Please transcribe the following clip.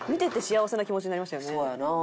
そうやな。